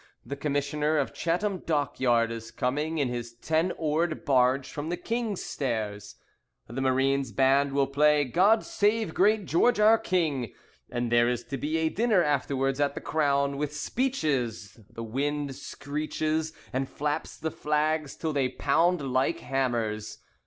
The Commissioner of Chatham Dockyard is coming In his ten oared barge from the King's Stairs; The Marine's band will play "God Save Great George Our King"; And there is to be a dinner afterwards at the Crown, with speeches. The wind screeches, and flaps the flags till they pound like hammers.